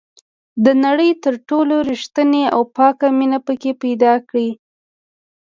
د نړۍ تر ټولو ریښتینې او پاکه مینه پکې پیدا کړئ.